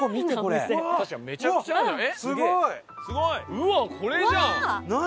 うわっこれじゃん！何？